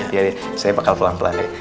ya deh saya bakal pelan pelan ya